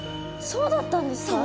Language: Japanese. そうだったんですか？